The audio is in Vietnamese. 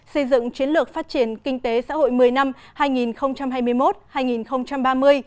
xây dựng chiến lược phát triển kinh tế xã hội một mươi năm hai nghìn hai mươi một hai nghìn ba mươi